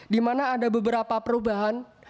dimana ada beberapa perubahan